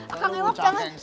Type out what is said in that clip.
akang ewat jangan